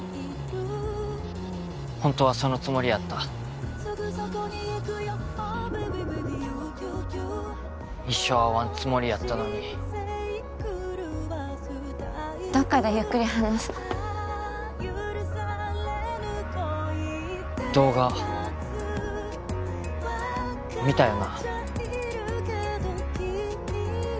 ホントはそのつもりやった一生会わんつもりやったのにどっかでゆっくり話動画見たよな？